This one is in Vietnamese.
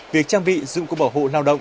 việc trang bị dụng cụ bảo hộ lao động